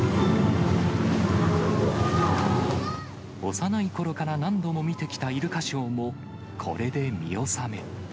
幼いころから何度も見てきたイルカショーもこれで見納め。